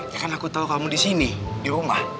ya kan aku tau kamu disini di rumah